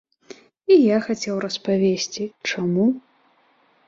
І я хацеў распавесці, чаму.